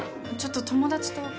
ちょっと友達と。